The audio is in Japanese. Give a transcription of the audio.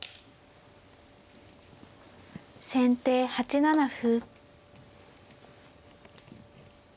先手８七歩。